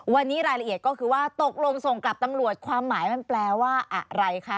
วันนี้รายละเอียดก็คือว่าตกลงส่งกลับตำรวจความหมายมันแปลว่าอะไรคะ